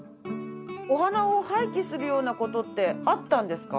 お花を廃棄するような事ってあったんですか？